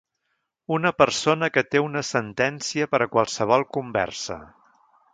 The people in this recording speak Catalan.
Una persona que té una sentència per a qualsevol conversa.